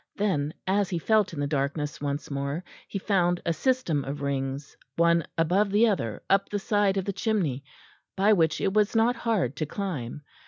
Then, as he felt in the darkness once more, he found a system of rings, one above the other, up the side of the chimney, by which it was not hard to climb.